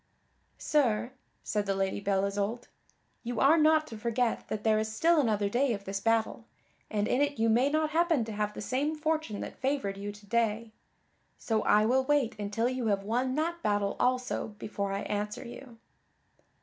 "Sir," said the Lady Belle Isoult, "you are not to forget that there is still another day of this battle, and in it you may not happen to have the same fortune that favored you to day; so I will wait until you have won that battle also before I answer you."